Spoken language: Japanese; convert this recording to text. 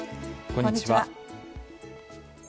こんにちは。